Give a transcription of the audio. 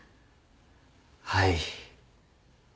はい。